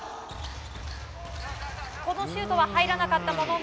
このシュートは入らなかったものの。